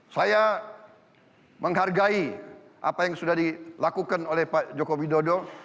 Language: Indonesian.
saya menghargai apa yang sudah dilakukan oleh pak joko widodo